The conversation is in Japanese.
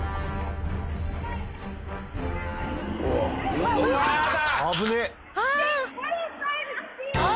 うわっ！